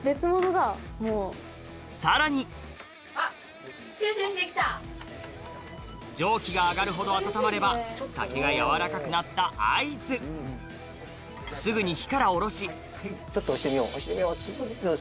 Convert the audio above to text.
さらに蒸気が上がるほど温まれば竹が柔らかくなった合図すぐに火から下ろしちょっと押してみよう押してみよう。